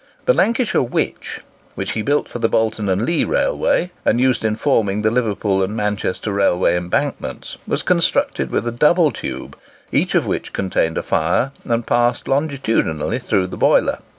The "Lancashire Witch," which he built for the Bolton and Leigh Railway, and used in forming the Liverpool and Manchester Railway embankments, was constructed with a double tube, each of which contained a fire and passed longitudinally through the boiler.